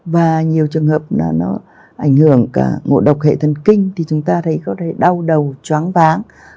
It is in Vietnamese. và nhiều trường hợp nó ảnh hưởng cả ngộ độc hệ thần kinh thì chúng ta thấy có thể đau đầu choáng váng